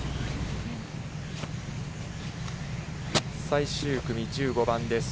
最終組、１５番です。